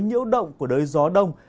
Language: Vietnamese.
nhiễu động của đới gió đông